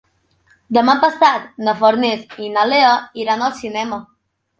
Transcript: Demà passat na Farners i na Lea iran al cinema.